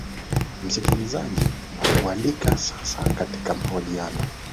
m msikilizaji nakualika sasa katika mahojiano